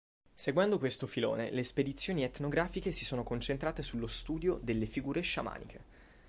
Seguendo questo filone le spedizioni etnografiche si sono concentrate sullo studio delle figure sciamaniche.